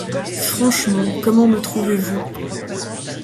Franchement, comment me trouvez-vous ?